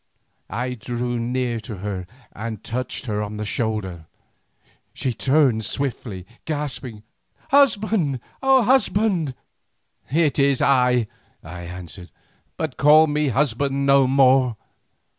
I drew near to her and touched her on the shoulder. She turned swiftly, gasping, "Husband! husband!" "It is I," I answered, "but call me husband no more."